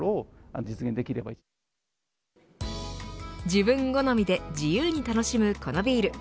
自分好みで自由に楽しむこのビール。